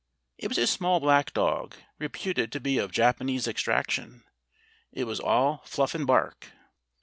It was a small black dog, reputed to be of Japanese extraction. It was all fluff and bark.